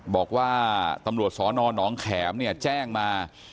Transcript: บอกว่าตำรวจสนนแขมแจ้งมา